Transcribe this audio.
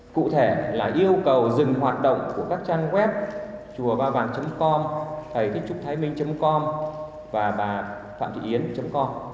cụ thể là yêu cầu dừng hoạt động của các trang web chùabavàng com thầythíchtrúctháiminh com và bàphạmthịyến com